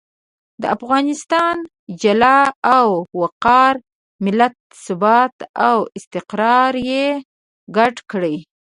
د افغانستان جلال او وقار، ملت ثبات او استقرار یې ګډ کړي.